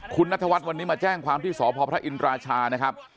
คุณนัทวัฒน์วันนี้มาแจ้งความที่สพพระอินราชานะครับ